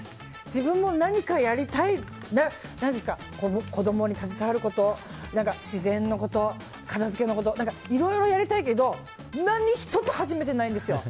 自分も何かやりたい子供に携わること自然のこと、片付けのこといろいろやりたいけど何一つ始めてないんですよ。